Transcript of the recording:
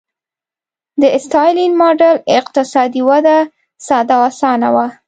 د ستالین ماډل اقتصادي وده ساده او اسانه وه